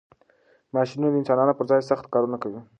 ماشینونه د انسانانو پر ځای سخت کارونه کوي.